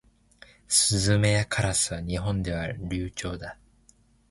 スズメやカラスは日本では留鳥だ。